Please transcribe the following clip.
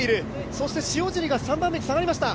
そして塩尻が３番目に下がりました。